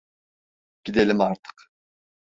Gidelim artık!